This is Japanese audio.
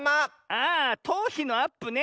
あとうひのアップね。